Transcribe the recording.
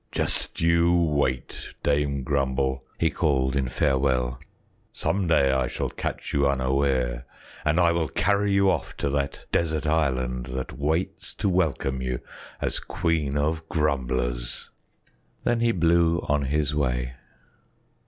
"Just you wait, Dame Grumble!" he called in farewell. "Some day I shall catch you unaware, and I will carry you off to that desert island that waits to welcome you as Queen of Grumblers!" Then he blew on his way.